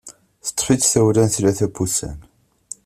Teṭṭef-itt tawla n tlata n wussan.